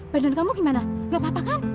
badan kamu gimana gak apa apa kamu